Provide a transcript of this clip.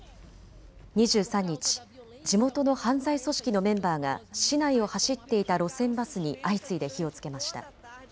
２３日、地元の犯罪組織のメンバーが市内を走っていた路線バスに相次いで火をつけました。